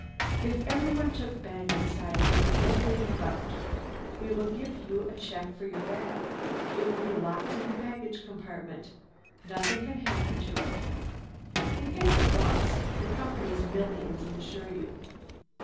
If everyone took a bag inside, there'd be no getting about. We will give you a check for your bag. It will be locked in the baggage compartment. Nothing can happen to it. In case of loss, the Company's millions insure you."